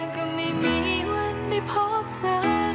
ก็ไม่มีวันได้พบเธอ